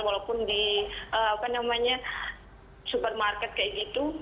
walaupun di apa namanya supermarket kayak gitu